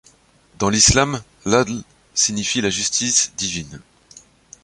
Dans l'Islam, l'ʿadl signifie la justice divine.